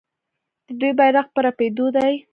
د دوی بیرغ په رپیدو دی.